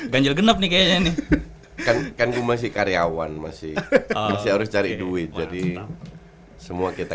ganjil genap nih kayaknya nih kan kan gue masih karyawan masih masih harus cari duit jadi semua kita